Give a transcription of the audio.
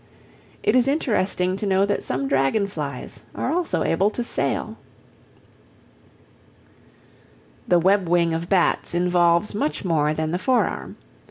It is interesting to know that some dragon flies are also able to "sail." The web wing of bats involves much more than the fore arm.